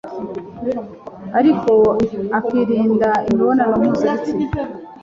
ariko akirinda imibonano mpuzabitsina